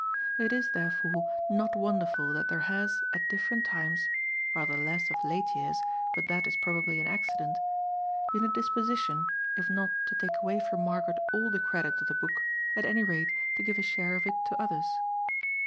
It is, therefore, not wonderful that there has, at different times (rather less of late years, but that is probably an accident), been a disposition if not to take away from Margaret all the credit of the book, at any rate to give a share of it to others.